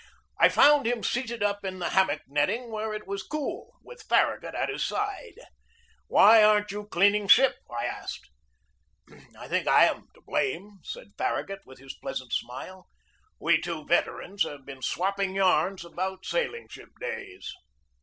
I found him seated up in the hammock netting where it was cool, with Far ragut at his side. "Why aren't you cleaning ship?" I asked. "I think I am to blame," said Farragut, with his pleasant smile. "We two veterans have been swapping yarns about sailing ship days."